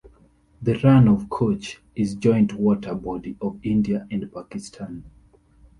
Rann of Kutch is joint water body of India and Pakistan.